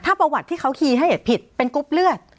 ประวัติที่เขาคีย์ให้ผิดเป็นกรุ๊ปเลือด